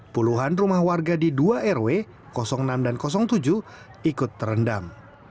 puluhan rumah warga di dua rw enam dan tujuh ikut terendam